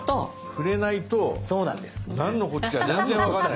触れないとなんのこっちゃ全然分からない。